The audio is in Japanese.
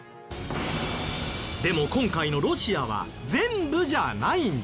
でも今回のロシアは全部じゃないんです。